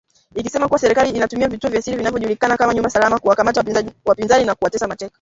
Ikisema kuwa serikali inatumia vituo vya siri vinavyojulikana kama nyumba salama kuwakamata wapinzani na kuwatesa mateka